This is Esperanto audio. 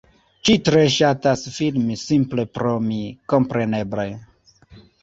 Ŝi tre ŝatas filmi simple pro mi, kompreneble